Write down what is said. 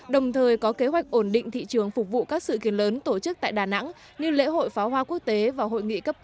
đồng thời có kế hoạch ổn định thị trường phục vụ các sự kiện lớn tổ chức tại đà nẵng như lễ hội pháo hoa quốc tế và hội nghị cấp cao apec hai nghìn một mươi bảy